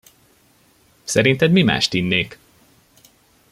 Szerinted mi mást innék?